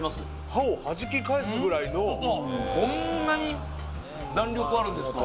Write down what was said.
歯をはじき返すぐらいのそうそうこんなに弾力あるんですか？